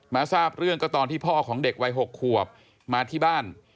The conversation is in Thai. ทราบเรื่องก็ตอนที่พ่อของเด็กวัย๖ขวบมาที่บ้าน